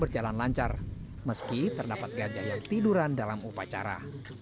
dan lancar meski terdapat gajah yang tiduran dalam upacara